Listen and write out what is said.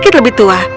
kau akan lebih tua